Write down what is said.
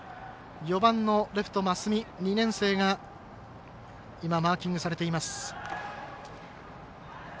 ４番のレフト増見、２年生が今、マーキングされています。